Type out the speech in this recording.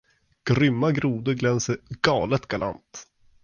Grymma grodor glänser galet galant.